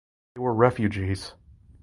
They were refugees.